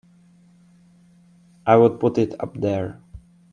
I would put it up there!